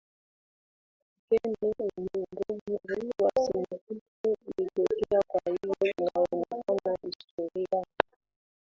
kokeni unyogovu wa sinapti ulitokea Kwa hiyo inaonekana historia ya